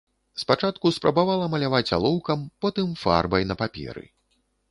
Спачатку спрабавала маляваць алоўкам, потым фарбай на паперы.